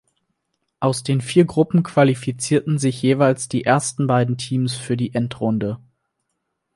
Aus den vier Gruppen qualifizierten sich jeweils die ersten beiden Teams für die Endrunde.